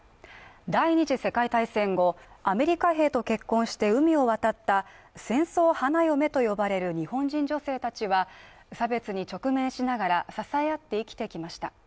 第二次世界大戦後、アメリカ兵と結婚して海を渡った戦争花嫁と呼ばれる日本人女性たちは差別に直面しながら支え合って生きてきました。